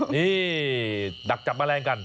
นี่ดักจับแมลงกัน